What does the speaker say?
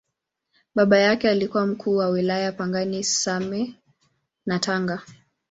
Baba yake alikuwa Mkuu wa Wilaya Pangani, Same na Tanga.